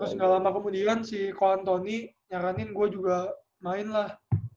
terus gak lama kemudian si kok antoni nyaranin gue juga main lah